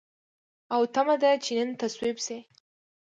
او تمه ده چې نن تصویب شي.